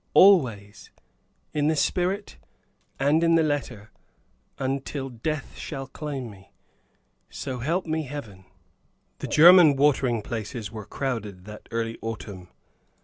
"Always, in the spirit and in the letter, until death shall claim me. So help me Heaven!" The German watering places were crowded that early autumn.